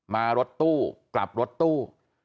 รถตู้กลับรถตู้